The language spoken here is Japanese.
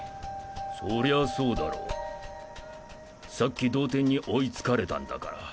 そりゃそうだろさっき同点に追いつかれたんだから。